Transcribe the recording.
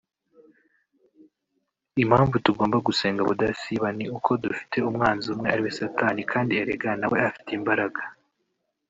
impamvu tugomba gusenga ubudasiba ni uko dufite umwanzi umwe ari we Satani kandi erega nawe afite imbaraga